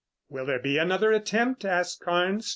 "Will there be another attempt?" asked Carnes.